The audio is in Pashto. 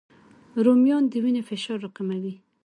رومیان د وینې فشار راکموي